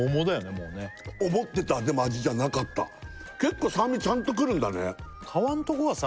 もうね思ってたでも味じゃなかった結構酸味ちゃんとくるんだね